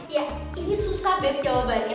ya ini susah bek jawabannya